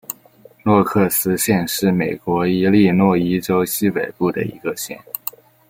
诺克斯县是美国伊利诺伊州西北部的一个县。